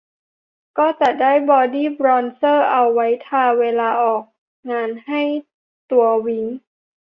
ก็จะได้บอดี้บรอนเซอร์เอาไว้ทาเวลาออกงานให้ตัววิ้ง